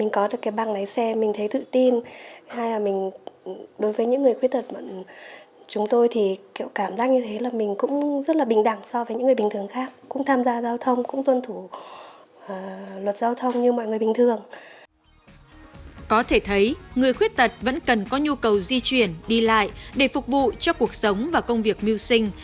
có thể thấy người khuyết tật vẫn cần có nhu cầu di chuyển đi lại để phục vụ cho cuộc sống và công việc miêu sinh